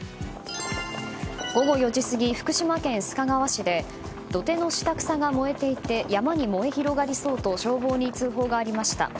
午後４時過ぎ、福島県須賀川市で土手の下草が燃えていて山に燃え広がりそうと消防に通報がありました。